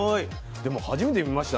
でも初めて見ました